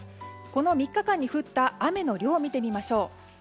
この３日間に降った雨の量を見てみましょう。